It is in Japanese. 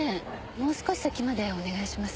もう少し先までお願いします。